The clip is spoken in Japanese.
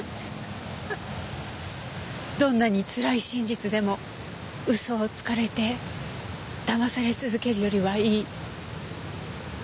どんなにつらい真実でも嘘をつかれてだまされ続けるよりはいい。